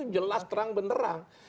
belas terang benderang